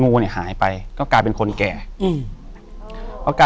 อยู่ที่แม่ศรีวิรัยยิวยวลครับ